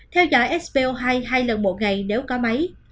theo dõi spo hai hai lần một ngày nếu có máy